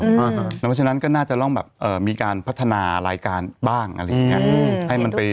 เพราะฉะนั้นก็น่าจะต้องแบบมีการพัฒนารายการบ้างอะไรอย่างนี้